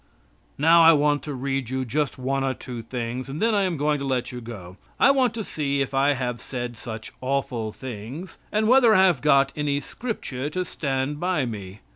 Now, I want to read you just one or two things, and then I am going to let you go. I want to see if I have said such awful things, and whether I have got any scripture to stand by me.